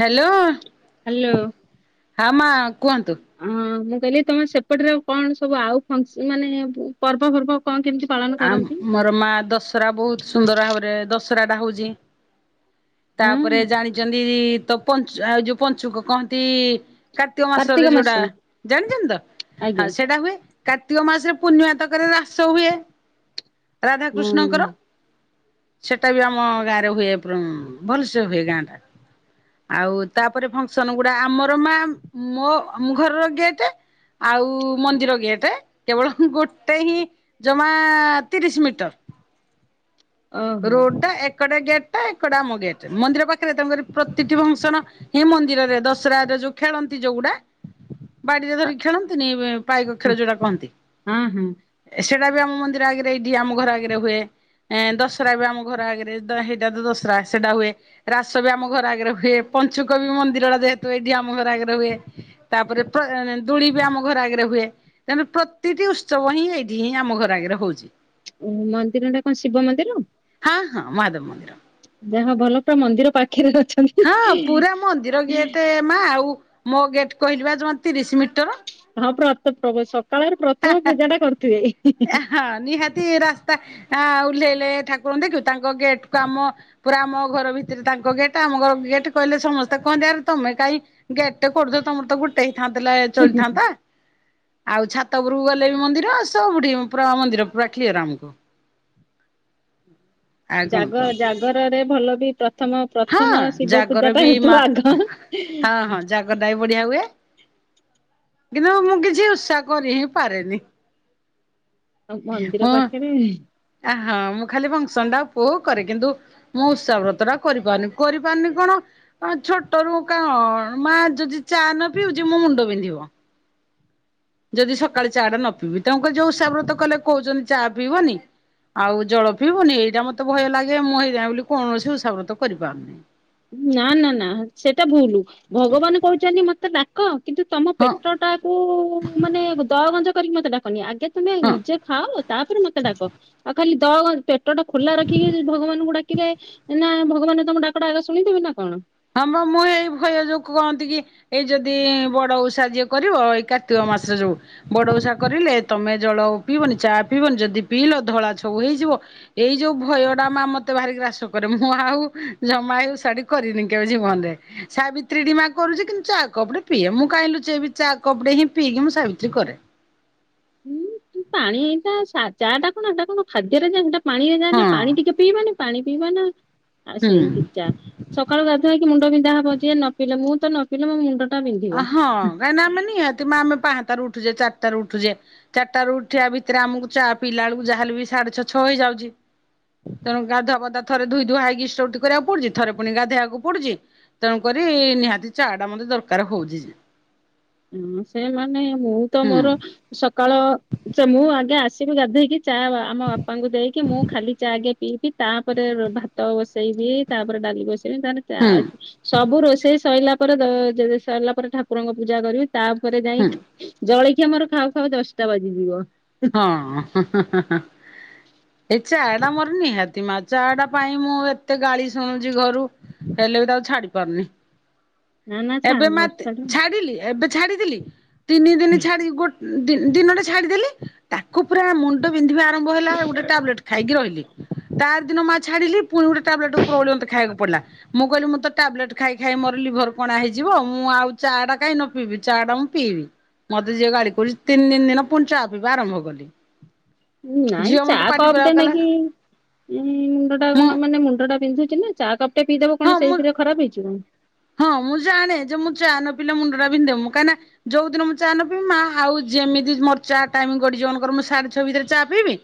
Hello. Hello. ହଁ ମା କୁହନ୍ତୁ। ହଁ ମୁଁ କହିଲି ତମେ ସେପଟରେ ଆଉ କଣ ସବୁ ଆଉ ଫଙ୍କସ ମାନେ। ପର୍ବ ଫର୍ବ କଣ କେମିତି ପାଳନ କରନ୍ତି। ଆମର ମା ଦଶରା ବହୁତ ସୁନ୍ଦର ଭାବରେ ଦଶରା ଟା ହଉଛି ହଁ ତାପରେ ଜାଣି ଜାଣିଛନ୍ତି ତ ପଞ୍ଚୁ ଆଉ ଯୋଉ ପଞ୍ଚୁକ କହନ୍ତି। କାର୍ତ୍ତିକ ମାସରେ ଯୋଉଟା ଜାଣିଛନ୍ତି ତ ହଁ ଆଜ୍ଞା। ସେଇଟା ହୁଏ। କାର୍ତ୍ତିକ ମାସରେ ପୂର୍ଣ୍ଣିମାତକରେ ହ୍ରାସ ହୁଏ ହଁ ରାଧାକୃଷ୍ଣଙ୍କର। ସେଟା ବି ଆମ ଗାଁ ରେ ହୁଏ ପ୍ରଣ ଭଲସେ ହୁଏ ଗାଁ ଟା। ଆଉ ତାପରେ ଫଙ୍କସନ ଗୁଡା ଆମର ମା ମୋ ମ ଘରର ଗେଟେ ଆଉ ମନ୍ଦିର ଗେଟେ କେବଳ ଗୋଟେ ହିଁ ପା ଆ ତିରିଶି ମିଟର। ଓହୋ। ରୋଡ ଟା ଏକଟେ ଗେଟେ ଏପଟେ ଆମ ଗେଟ୍ ମନ୍ଦିର ପାଖରେ ତାଙ୍କର ପ୍ରତିଟି ଫଙ୍କସନ ଇ ମନ୍ଦିରରେ ଦଶରା ରେ ଯୋଉ ଖେଳନ୍ତି ଯୋଉଗୁଡା ବାଡିରେ ଧରିକି ଖେଳନ୍ତିନି ବା ପାଇକ ଖେଳ ଯୋଉଟା କହନ୍ତି। ହଁ ହଁ ସେଇଟା ବି ଆମ ମନ୍ଦିର ଆଗରେ ଏଇଠି ଆମ ଘର ଆଗରେ ହୁଏ ଏ ଦଶ ଦଶରା ବି ଆମ ଘର ଆଗରେ ଦ ହେଇଟା ତ ଦଶରା ସେଟା ହୁଏ। ରାସ ବି ଆମ ଘର ଆଗରେ ହୁଏ ପଞ୍ଚୁକ ବି ମନ୍ଦିର ଟା ଯେହେତୁ ଏଇଠି ଆମ ଘର ଆଗରେ ହୁଏ। ତାପରେ ପ ଦୋଳି ବି ଆମ ଘର ଆଗରେ ହୁଏ। ତା ମାନେ ପ୍ରତିଟି ଉତ୍ସବ ହିଁ ଏଇଠି ହିଁ ଆମ ଘର ଆଗରେ ହଉଚି। ଉହୁଁ ମନ୍ଦିର ଟା କଣ ଶିବ ମନ୍ଦିର? ହଁ ହଁ ମହାଦେବ ମନ୍ଦିର। ଯାହା ଭଲ ତ ମନ୍ଦିର ପାଖରେ ଅଛ। ହଁ ପୁରା ମନ୍ଦିର ଗେଟ୍ ମା ଆଉ ମୋ ଗେଟ କହିଲି ବା ଜମା ତିରିଶି ମିଟର। ହଁ ପ୍ରତ ପବ ସକାଳରେ ପ୍ର ଆ ହା ଏ ହଁ ନିହାତି। ରାତି ରାସ୍ତା ଓହ୍ଲେଇଲେ ଠାକୁରଙ୍କୁ ଦେଖିବୁ ତାଙ୍କ ଗେଟ୍ କୁ ଆମ ପୁରା ଆମ ଘର ଭିତରେ ତାଙ୍କ ଗେଟ୍ ଆମ ଘର ଗେଟ କହିଲେ ସମସ୍ତେ କହନ୍ତି ଆରେ ତମେ କାଇଁ ଗେଟ ଟା କୁ କରିଦେଇ ତମର ତ ଗୋଟେ ହେଇଥାନ୍ତାଲା ଚଳିଥାନ୍ତା ଆଉ ଛା ଛାତ ଉପରକୁ ଗଲେ ବି ମନ୍ଦିର ସବୁଠି ପୁରା ମନ୍ଦିର ପୁରା କ୍ଲିୟର ଆମକୁ। ଆଉ କଣ ଜାଗ କୁହନ୍ତୁ ଜାଗରରେ ଭଲ ବି ପ୍ରଥମ ହଁ ପ୍ରଥମ ଶିବ ଜାଗର ପୂଜା ଟା ବି ହେଉଥିବ ଆଗ। ଗଦା ବଢିଆ ହୁଏ। କିନ୍ତୁ ମୁଁ କିଛି ଓଷା କରି ହିଁ ପାରେନି। ଆଉ ମନ୍ଦିର ମୁଁ ପାଖରେ ଆ ହଁ ମୁଁ ଖାଲି ଫଙ୍କସନ ଟା ଉପଭୋଗ କରେ। କିନ୍ତୁ ମୁଁ ଓଷାବ୍ରତ ଟା କରିପାରୁନି। କରିପାରୁନି କଣ ହଁ ଛୋଟରୁ କଣ ମା ଯଦି ଚା ନ ପିଉଚି ମୋ ମୁଣ୍ଡ ବିନ୍ଧିବ। ଯଦି ସକାଳେ ଚା ଟା ନ ପିଇବି ତାଙ୍କୁ କହିଲି ଯୋଉ ଓଷା ବ୍ରତ କଲେ କହୁଚନ୍ତି ଚା ପିଇବନି? ଆଉ ଜଳ ପିଇବୁନି ଏଇଟା ମତେ ଭୟ ଲାଗେ ମୁଁ ହେଇଯାଏ ବୋଲି କୌଣସି ଓଷାବ୍ରତ କରିପାରୁନି। ନା ନା ନା ସେଟା ଭୁଲୁ ଭଗବାନ କହିଚନ୍ତି ମତେ ଡା କ କିନ୍ତୁ ତମ ହଁ ପେଟଟା କୁୁ ମାନେ ଦ ଗଞ୍ଜ କରିକି ମତେ ଡାକନି। ଆଗେ ତମେ ହଁ। ନିଜେ ଖାଅ ତାପରେ ମତେ ଡାକ ଆଉ ଖାଲି ଦ ଗ ପେ ପେଟଟା ଖୋଲା ରଖିକି ଭଗବାନଙ୍କୁ ଡାକିଲେ ନା ଭଗବାନ ତମ ଡାକଟା ଆଗେ ଶୁଣିଦେବେ ନା କଣ? ହଁ ମ ମୁଁ ଏଇ ଭୟ ଯୋଗୁ କହନ୍ତି କି ଏଇ ଯଦି ବଡ ଓଷା ଯିଏ କରିବ ଏଇ କାର୍ତ୍ତିକ ମାସ ଯୋଉ ବଡଓଷା କରିଲେ ତମେ ଜଳ ପିଇବନି ଚା ପିଇବନି ଯଦି ପିଇଲ ଧଳା ଛଉ ହେଇଯିବ। ଏଇ ଯୋଉ ଭୟ ଟା ମା ମତେ ଭାରି ଗ୍ରାସ କରେ ମୁଁ ଆଉ ଜମା ହଉ ଓଷା ଟି କରିନି। କେବେ ଜୀବନରେ ସାବିତ୍ରୀ ମା କରୁଚି କିନ୍ତୁ ଚା କପ ଟେ ପିଏ। ମୁଁ କାଇଁ ଲୁଚେଇବି ଚା କପ ଟେ ହିଁ ପିଇକି ମୁଁ ସାବିତ୍ରୀ କରେ। ପାଣି ଏଇଟା ସା ଚା ଟା କଣ ଏଟା କଣ ଖାଦ୍ୟରେ ଯାଏ ସେଟା ପାଣିରେ ଯାଏ ନା ହଁ ପାଣି ଟିକେ ପିଇବନି? ପାଣି ପିଇବା ନା ଆ ସେ ହୁଁ। ଏମିତି ଚା। ସକାଳୁ ଗାଧୁଆକି ମୁଣ୍ଡ ବିନ୍ଧା ହବ ଯିଏ ନ ପିଲଲେ ମୁଁ ତ ନ ପିଲ ମୋ ମୁଣ୍ଡ ଟା ବିନ୍ଧିବ। କାହିଁକି ଆମେ ନିହାତି ମ ଆମେ ପାଂହତାରୁ ଉଠୁଚେ ଚାରିଟାରୁ ଉଠୁଚେ - ଚାରିଟାରୁ ଉଠିବା ଭିତରେ ଆମକୁ ଚା ପିଇଲା ବେଳକୁ ଯାହାେଲେ ବି ସାଢେ ଛଅ ଛଅ ହେଇଯାଉଚି - ତେଣୁ ଗାଧୁଆ ପାଦୁଆ ଥରେ ଧୁଇ ଧୁଆଇ ଇଷ୍ଟଵୃତି କରିବାକୁ ପଡୁଚି ଥରେ ପୁଣି ଗାଧେଇବାକୁ ପଡୁଚି - ତେଣୁ କରି ନିହାତି ଚା ଟା ମତେ ଦରକାର ହଉଚି ଯେ - ହୁଁ ସେଇମାନେ ମୁଁ ତ ହୁଁ ମୋର ସକାଳ ସେ ମୁଁ ଆଗେ ଆସିବି ଗାଧେଇକି ଚା ଆମ ବାପାଙ୍କୁ ଦେଇକି ମୁଁ ଖାଲି ଚା ଆଗେ ପିଇକି ତାପରେ ଭାତ ବସେଇବି ତାପରେ ଡାଲି ବସେଇବି ତା ପରେ ଚା ହୁଁ ଅଚି - ସବୁ ରୋଷେଇ ସଇଲା ପରେ ସଇଲା ପରେ ଠାକୁରଙ୍କ ପୂଜା କରିବି ତାପରେ ହୁଁ। ଯାଇ- ଜଳଖିଆ ମୋର ଖାଉ ଖାଉ ଦଶଟା ବାଜିଯିବ - ହଁ ହେଁ ହେଁ ହେଁ ଏ ଚା ଟା ମୋର ନିହାତି ମା, ଚା ଟା ପାଇଁ ମୁଁ ଏତେ ଗାଳି ଶୁଣୁଚି ଘରୁ ହେଲେ ବି ତାକୁ ଆଉ ଛାଡି ପାରୁନି ନା ନା ଛାଡ ଏବେ ମତେ ଛାଡିଲି ଏବେ ଛାଡିଥିଲି ତିନି ଦିନ ଛାଡି ଗୋଟେ- ଦିନଟା ଛାଡିଦେଲେ ତାକୁ ପୁରା ମୁଣ୍ଡ- ମୁଣ୍ଡ ପନ୍ଧିବା ଆରମ୍ଭ ହେଲା ଟାବଲେଟ୍ ଖାଇକି ରହିଲି ତା ଦିନ ମା ଛାଡିଲି ପୁଣି ଗୋଟେ ଟାବଲେଟ ଉପରଓଳି ମତେ ଖାଇବାକୁ ପଡ଼ିଲା - ମୁଁ କହିଲି ମୁଁ ତ ଟାବଲେଟ ଖାଇ ଖାଇ ମୋର ଲିଭର କଣା ହେଇଯିବ ମୁଁ ଆଉ ଚା ଟା କାଇଁ ନ ପିଇବି ଚା ଟା ଉଁ - ପିଇବି ମତେ ଯିଏ ଗାଡି କରୁଚି ତିନି ଦିନି ଯାକ ପୁଣି ଚା ପଇବା ଆରମ୍ଭ କଲି ନାଇଁ ଝିଅ ଚା ମତେ ପାଟି କପଟେ କରିବାକୁ କଲା ନେଇକି ଇ ମୁଣ୍ଡ ଟା ମୁଁ ନ ମାନେ ମୁଣ୍ଡଟା ବିନ୍ଧୁଚି ନା - ଚାହା କପ ଟେ ପିଇଦବ ହଁ କଣ ମୁଁ ସେଇଥିରେ ଖରାପ ହେଇଯିବ ହଁ ମୁଁ ଜାଣେ ଯେ ମୁଁ ଚା ନ ପିଲା ମୁଣ୍ଡା ବିନ୍ଧା ହେବ କାଇଁନା - ଯୋଉ ଦିନ ମୁଁ ଚା ନ ପିବି ମା ଆଉ ଯେମିତି ମୋ ଚା ଟାଇମ ଗଡିଯିବ ଅନ୍ କର ମୁଁ ସାଢେ ଛଅ ଭିତରେ ଚା ପିଇବି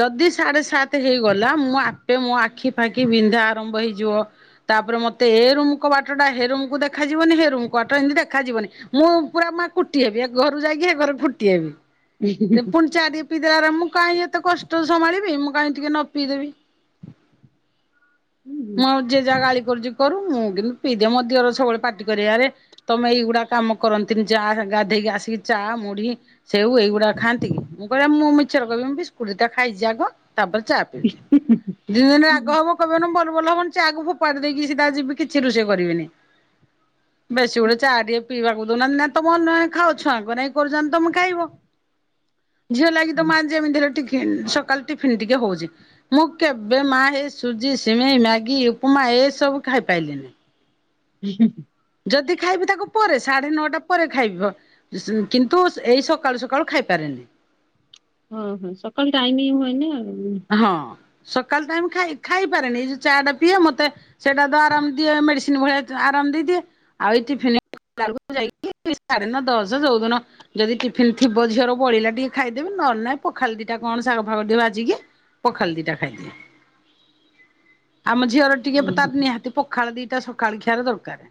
ଯଦି ସାଢ଼େ ସାତ ହେଇଗଲା ମୁଁ ଆପେ ମୋ ଆଖି ଫାଖି ବିନ୍ଧା ଆରମ୍ଭ ହେଇଯିବ- ତାପରେ ମତେ ଏ ରୁମ କବାଟଟା ହେରୁମକୁ ଦେଖାଯିବନି ହେ ରୁମ ବାଟ ଏମିତି ଦେଖାଯିବନି ମୁଁ ପୁରା ମା କୁଟି ହେବି ଏ ଘରୁ ଯାଇକି ହେ ଘରେ ଫୁଟି ହେବି ପୁଣି ଚା ଟିକେ ପିଇଦୋର ମୁଁ କାହିଁକି ଏତେ କଷ୍ଟ ସମ୍ଭାଳିବି ମୁଁ କାଇଁ ଟିକେ ନ ପିଇଦେବି ମୁଁ ଆଉ ଯିଏ ଯାହା ଗାଳି କରୁଚି କରୁ ମୁଁ କିନ୍ତୁ ପିଇ ଦିଏ, ମୋ ଦିଅର ସବୁବେଳେ ପାଟି କରିବେ ଆରେ - ତମେ ଏଇଗୁଡା କାମ କରନ୍ତିନି ଯା ଗାଧେଇକି ଆସିକି ଚାହା ମୁଢି ସେଉ ଏଇଗୁଡାକ ଖାନ୍ତି କଇବେ ମୁଁ ମିଛରେ କଇବି ମୁଁ ବିସ୍କୁଟ ଦିଟା ଖାଇଚି ଆଗ ତାପରେ ଚା ପିଉଚି, ଦିନେ ଦିନେ ରାଗ ହବ କେଇବେ ନା [unintelligible] [unintelligible] ଚା କୁ ଫୋପାଡି ଦେଇକି ସିଦା ଯିବି କିଛି ରୁଷେଇ କରିବିନି - ବେଶୀ ଗୁଡେ ଚା ଟିକେ ପିଇବାକୁ ଦଉନାହାନ୍ତି ନା ତମ ଉନ ଖାଅ ଛୁଆଙ୍କୁ ନାଇଁ କରୁଚନ୍ତି ତମେ ଖାଇବ - ଝିଅ ଲାଗି ତ ମା ଯେମିତି ହେଲେ ଟିକ - ସକାଳ ଟିଫିନ୍ ଟିକେ ହଉଚି ମୁଁ କେବେ ମା ହେଇ ସୁଜି ସିମ୍ - ସିମେଁଇ, ମ୍ୟାଗି, ଉପମା ଏସବୁ ଖାଇ ପାଇଲିନି - ହୁଁ ହୁଁ ଯଦି ଖାଇବି ତାକୁ ପରେ ସାଢେ ନଅଟା ପରେ ଖାଇବ - କିନ୍ତୁ ଏଇ ସକାଳୁ ସକାଳୁ ଖାଇ ପାରେନି - ହଁ ହଁ ସକାଳୁ ଟାଇମ ହିଁ ହୁଏନି ଆଉ ହଁ ସକାଳ ଟାଇମ ଖାଇ ଖାଇ ପାରେନି ଏଇ ଯୋଉ ଚା ଟା ପିଏ ମତେ - ସେଇଟା ତ ଆରାମ ଦିଏ ମେଡିସିନ ଭଳିଆ ଆରାମ ଦେଇଦିଏ ଆଉ ଏଇ ଟିଫିନ ଖାଇଲା ବେଳକୁ ଯାଇକି- ସାଢ଼େ ନ ଦଶ ଯଉ ଦିନ - ଯଦି ଟିଫିନ ଥିବ ଝିଅର ବଳିଲା ଟିକେ ଖାଇଦେବି ନଏଲେ ନାଇଁ ପଖାଲ ଦିଟା କଣ ଶାଗ ଫାଗ ଟିକେ ଭାଜିକି - ପଖାଲ ଦିଟା ଖାଇଦିଏ ଆମ ଝିଅର ଟିକେ ତାର ନିହାତି ପଖାଳ ଦିଟା ସକାଳ ଖିଆର ଦରକାର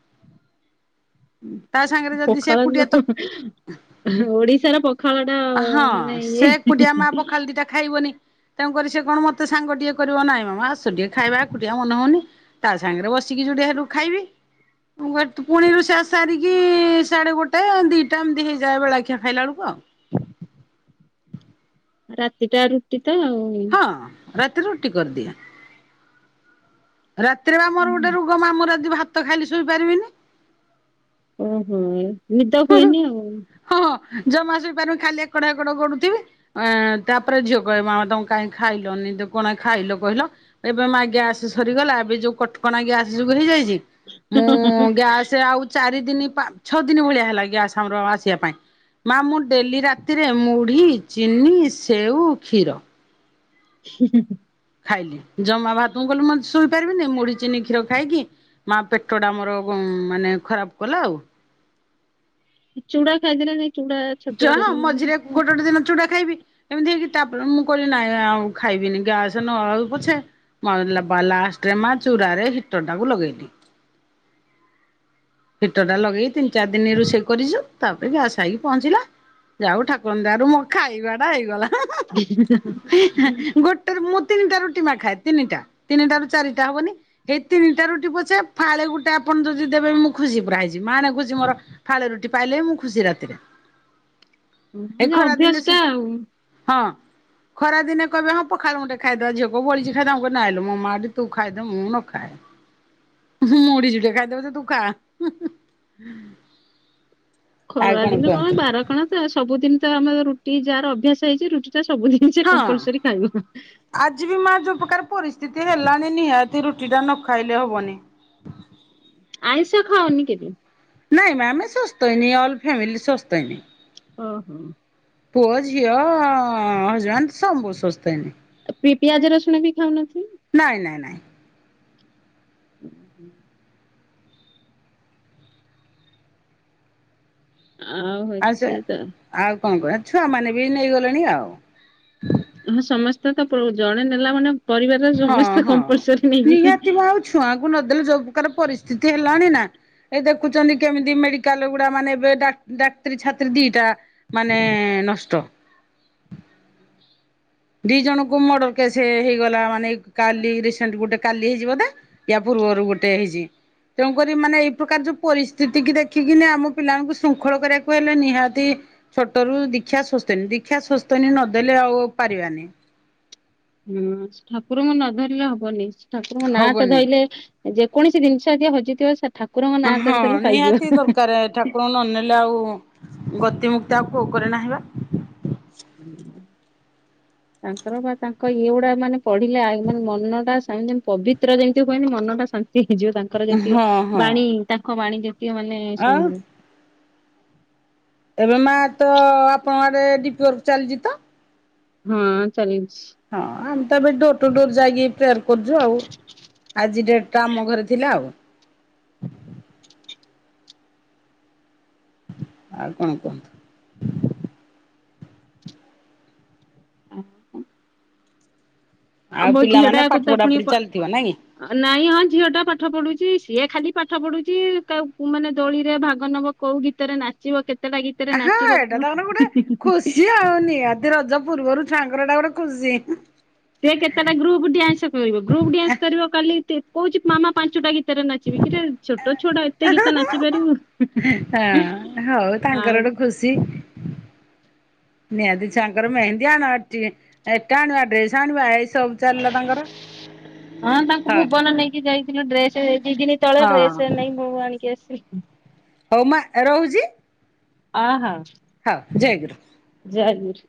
ତା ସାଙ୍ଗରେ ଉଁ ଯଦି ସେ ପଖାଳ ଏକୁଟିଆ ତ ଦିବସ! ଓଡିଶାର ପଖାଳ ଟା ହଁ ମାନେ ସେ ଇଏ ଏକୁଟିଆ ମା ପଖାଳ ଦିଟା ଖାଇବନି ତେଣୁକରି ସେ କଣ ମତେ ସାଙ୍ଗ ଟିକେ କରିବ ନାଇଁ ମାମା ଆସ ଟିକେ ଖାଇବା, ଏକୁଟିଆ ମନେ ହଉନି! ତା ସାଙ୍ଗରେ ବସିକି ଯଦିକା ହେଲା ଖାଇବି! ଟୁଏଟ ପୁଣି ରୋଷେଇ ବାସ ସାରିକି ସାଢେ ଗୋଟାଏ ଦିଟା ଏମିତି ହେଇଯାଏ ବେଳାଖିଆ ଖାଇଲା ବେଳକୁ ଆଉ! ରାତିଟା ରୁଟିତ ଆଉ! ହଁ ରାତିରେ ରୁଟି କରିଦିଅ! ରାତିରେ ବା ମୋର ଗୋଟେ ରୋଗ ମାମୁର ଆଜି ଭାତ ଖାଇକି ଶୋଇପାରିବେନି! ଓହୋ ନିଦ ହୁଏନି ଆଉ! ହଁ ହଁ ଜମା ଶୋଇପାରୁନି ଖାଲି ଏକଡ ହେକଡ ଗଡୁଥିବେ! ଏଁ ତାପରେ ଝିଅ କହିବେ ମାମା ତମ କାହିଁ ଖାଇଲନି ଦୋ କଣା ଖାଇଲ କହିଲ! ଏବେ ମା ଗ୍ୟାସ ସରିଗଲା ଏବେ ଯୋଉ କଟକଣା ଗ୍ୟାସ ଯୋଗୁ ହେଇଯାଇଚି! ମୁଁ ଗ୍ୟାସ ଆଉ ଚାରି ଦିନି ପାଛଅ ଦିନି ଭଳିଆ ହେଲା ଗ୍ୟାସ ଆମର ଆସିବା ପାଇଁ! ମା ମୁଁ ଡେଲି ରାତିରେ ମୁଢ଼ି ଚିନି ସେଉ କ୍ଷୀର ସୁ ହୁଁ ହୁଁ! ଖାଇଲି ଜମା ଭାତଙ୍କୁ ମୁଁ କଣ ମନ ଛୁଇଁ ପାରିବିନି ମୁଢ ଚିନି କ୍ଷୀର ଖାଇକି ମା ପେଟ ଟା ମୋର ମାନେ ଖରାପ କଲା ଆଉ! ଚୁଡ଼ା ଖାଇଦେଲେନି ଚୁଡ଼ାଜ ଯାହଁ ମଝିରେ ଗୋଟେ ଗୋଟେ ଦିନ ଚୁଡା ଖାଇବି! ଏମିତି ତାପରେ ମୁଁ କଇଲି ନାଇଁ ଆଉ ଖାଇବିନି ଗ୍ୟାସ ନଆଉ ପଛେ! ମଲବା ଲାଷ୍ଟେ ରେ ମା ଚୁରାରେ ହିଟରଟାକୁ ଲଗେଇଦିଏ! ହିଟର ଟା ଲଗେଇ ତିନି ଚାର ଦିନ ରୋଷେଇ କରିଚୁ! ତାପରେ ଗ୍ୟାସ ଆଇଲେ ପହଞ୍ଚିଲ! ଯାହଉ ଠାକୁରଙ୍କ ଦୟାରୁ ମୋ ଖାଇବାଟା ହେଇଗଲା! ଆଁ ଆଁ ଏଁ ଏଁ ଗୋଟ ତେରେ ମୁଁ ତିନିଟା ରୁଟି ମା ଖାଏ, ତିିନିଟା ତିନିଟା ରୁ ଚାରିଟା ହବନି! ଏଇ ତିନିଟା ରୁଟି ପଛେ ଫାଳେ ଗୋଟେ ଆପଣ ଯଦି ଦେବେ ମୁଁ ଖୁସି ପୁରା ହେଇଯିବି! ମାଣେ ଖୁସି ମୋର ଫାଳେ ରୁଟି ପାଇଲେ ଵି ମୁଁ ଖୁସି ରାତିରେ! ଏ ମାନେ ଖରା ଅଭ୍ୟାସ ଦିନ ଟା ସେ ଆଉ। ହଁ! ଖରା ଦିନେ କହିବେ ହଁ ପଖାଳ ମୁଠେ ଖାଇଦବା, ଝିଅ କୋ ବଳିଚି ଖାଇଦବା, ନାଇଁମ ମୋ ମାଆ ଟି ତୁ ଖାଇଦେଏ ମୁଁ ନଖାଏ! ମୁଡ଼ିକୀଟ ଖାଇଦେବ ତୁ ଖା! ଆଉ ଖରାଦିନ କଣ କୁହନ୍ତୁ ବାର କଣ ତ ସବୁଦିନ ତ ଆମର ରୁଟି ଯାହାର ଅଭ୍ୟାସ ହେଇଚି, ରୁଟି ଟାତ ସବୁଦିନ! ନିସେ ହଁ। କମ୍ପଲସରି ଖାଇବ! ଆଜି ବି ମା ଯୋଉ ପ୍ରକାର ପରିସ୍ଥିତି ହେଲାଣି ନିହାତି ରୁଟିଟା ନଖାଇଲେ ହବନି! ଆଇଁଷ ଖାଅନି କେବେ! ନାଇଁ ମା ଆମେ ଶୋସ୍ତଙ୍ଗି ଅଲ ଫ୍ୟାମିଲି ଶୋସ୍ତଙ୍ଗି! ଅ ହ! ପୁଅ ଝିଅ ଅ ଜନ ସବୁ ଶୋସ୍ତଙ୍ଗି! ପି ପିଆଜ ରସୁଣ ବି ଖାଉନହାନ୍ତି! ନାଇଁ ନାଇଁ ନାଇଁ! ହୁଁ ହୁଁ [unintelligible] ଆ ଆଉ ସେ ହଇଛିତା ଆଉ କଣ କଇବା ଛୁଆ ମାନେ ବି ନେଇଗଲେଣି ଆଉ! ହଁ ସମସ୍ତେ ତ ଜଣେ ନେଲା ମାନେ ପରିବାରରେ ହଁ ସମସ୍ତେ ହଁ କମ୍ପଲସରି ନିହାତି ନେଇଯିବେ! ମ ଆଉ ଛୁଆଙ୍କୁ ନଦେଲେ ଯୋଉ ପ୍ରକାର ପରିସ୍ଥିତି ହେଲାଣିନା ଏ ଦେଖୁଚନ୍ତି କେମିତି ମେଡିକାଲ ଗୁଡା ମାନେ ଏବେ ଡାକ ଡାକ୍ତରୀ ଛାତ୍ରୀ ଦିଟା ମାନେ ନଷ୍ଟ। ଦି ଜଣଙ୍କୁ ମଡର୍ କେସ୍ ହେଇଗଲା ମାନେ କାଲି ରସେଣ୍ଟ ଗୋଟେ କାଲି ହେଇଚି ବୋଧେ? ୟା ପୂର୍ବରୁ ଗୋଟେ ହେଇଚି। ତେଣୁକରି ମାନେ ଏଇ ପ୍ରକାର ଯୋଉ ପରିସ୍ଥିତି କି ଦେଖିକିିନି ଆମ ପିଲାମାନଙ୍କୁ ଶୃଙ୍ଖଳ କରିବାକୁ ହେଲେ ନିହାତି ଛୋଟ ରୁ ଦୀକ୍ଷା ସ୍ଵସ୍ଥନୀ ଦୀକ୍ଷା ସ୍ୱସ୍ଥନୀ ନଦେଲେ ଆଉ ପାରିବାନି। ହୁଁ ସେ ଠାକୁରଙ୍କୁ ନ ଧରିଲେ ହବନି ସେ ଠାକୁରଙ୍କ ନାଁ ଟା ହବନି ଧଇଲେ ଯେକୌଣସି ଜିନିଷ ଯିଏ ହଜିଥିବ ସେ ଠାକୁରଙ୍କ ନାଁ ଧରି ଦେଲେ ପାଇଯିବ। କଣ ନ ନେଲେ ଆଉ ଗତି ମୁୁକ୍ତି ଆଉ କୋଉ [unintelligible] ନାହିଁ ବା। [inaudible] ତାଙ୍କର ବା ତାଙ୍କ ଇଏ ଗୁଡା ମାନେ ପଢିଲେ ମାନେ ମନଟା ପବିତ୍ର ଯେମ୍ତି ହୁଏନି ମନଟା। ହେଇଯିବ ତାଙ୍କର ଯେତିକ ହଁ ହଁ ବାଣୀ ତାଙ୍କ ବାଣୀ ଯେତିକ ମାନେ ଶୁ ଆଉ ଏବେ ମା ତ ଆପଣଙ୍କ ଆଡେ [unintelligible] ଚାଲିଚି ତ? ହୁଁ ଚାଲିଛି। ହଁ ଆମେ ତ ଏବେ ଡୋର୍ ଟୁ ଡୋର୍ ଯାଇକି [unintelligible] କରୁଚୁ ଆଉ, ଆଜି ଡେଟ୍ ଟା ଆମ ଘରେ ଥିଲା ଆଉ। ଆଉ କଣ କୁହନ୍ତୁ। [inaudible] ଆଉ ଆମ ପିଲାମାନେ ଝିଅଟାକୁ ପାଠ ତ ପୁଣି ପଢାପଢି ପା ଚାଲିଥିବ ନାଇଁ କି? ନାଇଁ ହଁ ଝିଅଟା ପାଠ ପଢୁଚି, ସିଏ ଖାଲି ପାଠ ପଢୁଚି କା ମାନେ ଦୋଳିରେ ଭାଗ ନଵ କୋଉ ଗୀତରେ ନାଚିବ କେ ହଁ ଏଇଟା ତ ଆମର ଗୋଟେ ଖୁସି ଆଉ ନି ରଜ ପୂର୍ବରୁ ଛୁଆଙ୍କର ଏଟା ଗୋଟେ ଖୁସି। ସେ କେତେଟା ଗ୍ରୁପ୍ ଡ୍ୟାନ୍ସ କରିବ ଗ୍ରୁପ ଡ୍ୟାନ୍ସ କରିବ କାଲି କହୁଚି ମାମା ପାଞ୍ଚଟା ଗୀତରେ ନାଚିବି କିରେ ଛୋଟ ଛୁଆଟା ଏତେ ଗୀତ ନାଚି ପାରିବୁ। ସେ [inaudible] ତାଙ୍କର। ହଁ ତାଙ୍କୁ ହଁ ଭୁବନ ନେଇକି ଯାଇ ଡ୍ରେସେ ଦି ଦିନି ତଳେ ଡ୍ରେସେ ହଁ ନେଇ ବୋହୂ ଆଣିକି ଆସି ହଉ ମା ରହୁଚି। ଅହ। ହଁ ଜୟ ଗୁରୁ। ଜାୟ ଗୁରୁ।